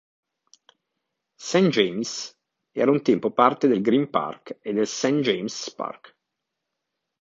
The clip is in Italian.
St James's era un tempo parte del Green Park e del St. James's Park.